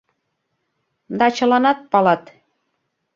Да чыланат палат...